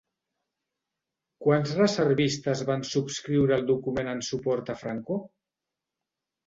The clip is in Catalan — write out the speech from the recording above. Quants reservistes van subscriure el document en suport a Franco?